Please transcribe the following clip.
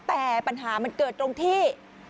แต่ปัญหามันเกิดตรงที่